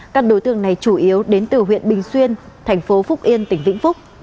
các đối tượng này chủ yếu đến từ huyện bình xuyên thành phố phúc yên tỉnh vĩnh phúc